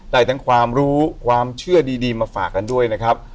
ได้ทั้งความรู้ความเชื่อดีมาฝากกันด้วยนะครับ